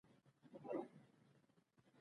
په افغانستان کې د ځمکه په اړه پوره زده کړه کېږي.